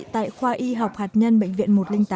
tại khoa y học hạt nhân bệnh viện một trăm linh tám